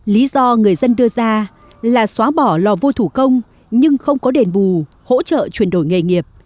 lý do người dân đưa ra là xóa bỏ lò vôi thủ công nhưng không có đền bù hỗ trợ chuyển đổi nghề nghiệp